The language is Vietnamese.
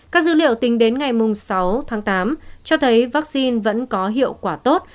các dữ liệu tính đến ngày sáu tháng tám cho thấy vaccine vẫn có hiệu quả tốt